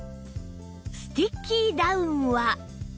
スティッキーダウンは